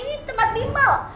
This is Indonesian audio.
di tempat bimbel